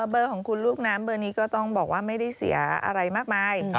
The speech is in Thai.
เบอร์ของคุณลูกน้ำเบอร์นี้ก็ต้องบอกว่าไม่ได้เสียอะไรมากมาย